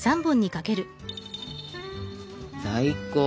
最高！